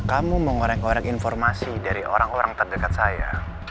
kamu mengorek ngoreng informasi dari orang orang terdekat saya